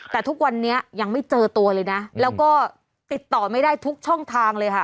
แต่ทุกวันนี้ยังไม่เจอตัวเลยนะแล้วก็ติดต่อไม่ได้ทุกช่องทางเลยค่ะ